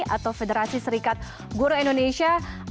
atau federasi serikat guru indonesia